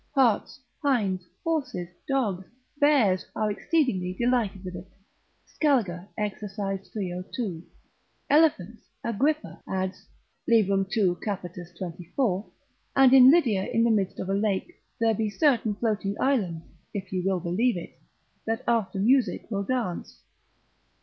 Harts, hinds, horses, dogs, bears, are exceedingly delighted with it. Scal, exerc. 302. Elephants, Agrippa adds, lib. 2. cap. 24. and in Lydia in the midst of a lake there be certain floating islands (if ye will believe it), that after music will dance.